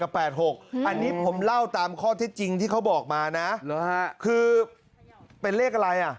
ผมเล่าตามข้อเท็จจริงที่เขาบอกมาคือเป็นเลขอะไร